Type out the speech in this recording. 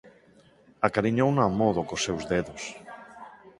Acariñouna a modo cos seus dedos.